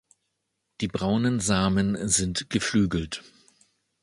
Die braunen Samen sind geflügelt.